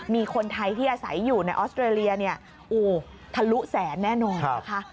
มีคนไทยที่อาศัยอยู่ในออสเตรเลียเนี่ยโอ้ทะลุแสนแน่นอนนะคะ